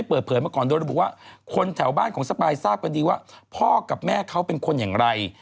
เป็นดีว่าพ่อกับแม่เขาเป็นคนอย่างไร